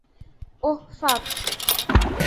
ওহ, ফাক।